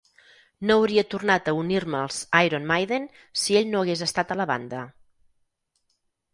No hauria tornat a unir-me als Iron Maiden si ell no hagués estat a la banda.